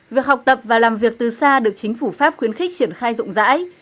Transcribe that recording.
việc học tập và làm việc từ xa được chính phủ pháp khuyến khích triển khai rộng rãi